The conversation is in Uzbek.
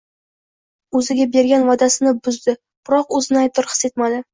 o‘ziga bergan va’dasini buzdi, biroq o‘zini aybdor his etmadi.